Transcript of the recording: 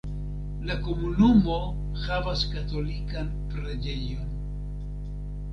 La komunumo havas katolikan preĝejon.